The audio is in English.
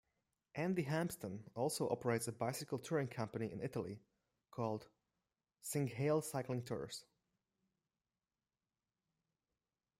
Andy Hampsten also operates a bicycle touring company in Italy called Cinghiale Cycling Tours.